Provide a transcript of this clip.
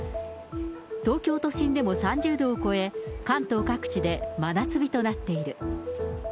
東京都心でも３０度を超え、関東各地で真夏日となっている。